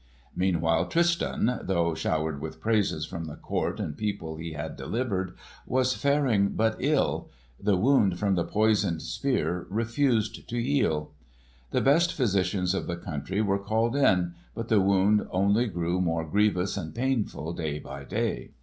Meanwhile Tristan, though showered with praises from the court and people he had delivered, was faring but ill. The wound from the poisoned spear refused to heal. The best physicians of the country were called in, but the wound only grew more grievous and painful, day by day.